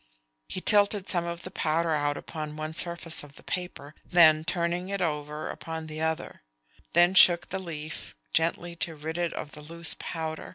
He tilted some of the powder out upon one surface of the paper, then, turning it over, upon the other; then shook the leaf gently to rid it of the loose powder.